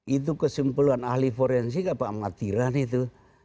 itu kesimpulan ahli forensik atau amatiran itu